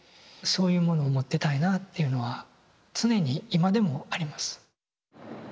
そういうものを持ってたいなあっていうのは常に今でもあります。